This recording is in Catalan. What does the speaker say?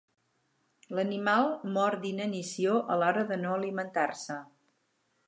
L'animal mor d'inanició a l'hora de no alimentar-se.